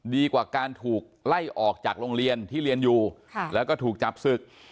ดีกว่าการถูกไล่ออกจากโรงเรียนที่เรียนอยู่แล้วก็ถูกจับศึก